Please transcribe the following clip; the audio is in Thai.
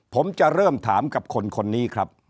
ผมจะเริ่มถามกับคนนี้ครับ